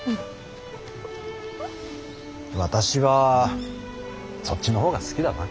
私はそっちの方が好きだな。